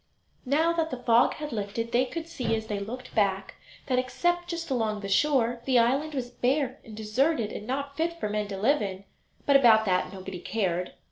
Now that the fog had lifted they could see as they looked back that, except just along the shore, the island was bare and deserted and not fit for men to live in; but about that nobody cared.